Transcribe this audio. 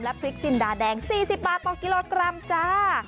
พริกจินดาแดง๔๐บาทต่อกิโลกรัมจ้า